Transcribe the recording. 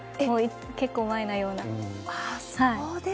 結構前のような。